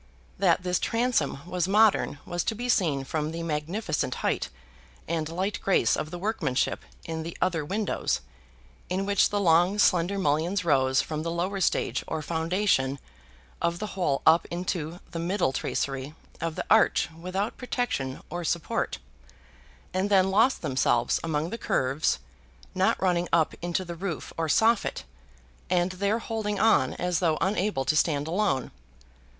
That this transom was modern was to be seen from the magnificent height and light grace of the workmanship in the other windows, in which the long slender mullions rose from the lower stage or foundation of the whole up into the middle tracery of the arch without protection or support, and then lost themselves among the curves, not running up into the roof or soffit, and there holding on as though unable to stand alone.